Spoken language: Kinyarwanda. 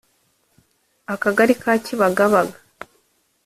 Akagari ka Kibagabaga